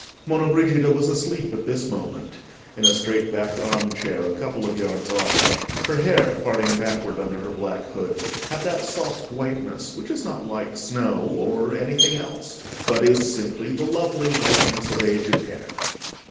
Monna Brigida was asleep at this moment, in a straight backed arm chair, a couple of yards off. Her hair, parting backward under her black hood, had that soft whiteness which is not like snow or anything else, but is simply the lovely whiteness of aged hair.